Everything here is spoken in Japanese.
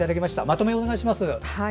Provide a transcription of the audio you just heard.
まとめをお願いします。